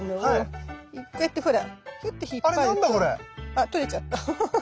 あっ取れちゃった。